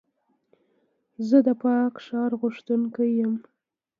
زه د پاک ښار غوښتونکی یم.